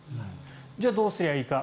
じゃあどうすればいいか。